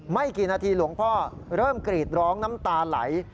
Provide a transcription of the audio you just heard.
ไม่กี่นาทีหลวงพ่อเริ่มกรีดร้องน้ำตาไหล